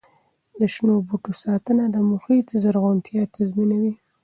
د شنو بوټو ساتنه د محیط زرغونتیا تضمینوي.